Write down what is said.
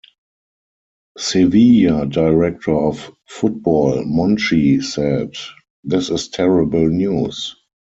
Sevilla director of football Monchi said, This is terrible news.